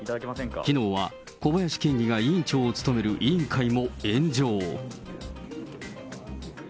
きのうは小林県議が委員長を務める委員会も炎上。